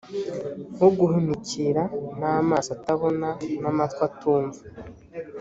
wo guhunikira n amaso atabona n amatwi atumva